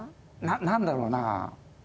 何だろうな。